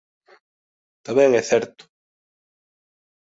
Tamén é certo.